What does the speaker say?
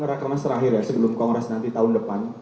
rakernas terakhir ya sebelum kongres nanti tahun depan